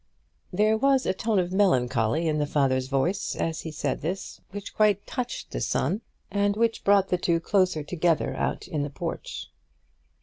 There was a tone of melancholy in the father's voice as he said this which quite touched his son, and which brought the two closer together out in the porch.